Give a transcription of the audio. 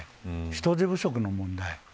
人手不足の問題。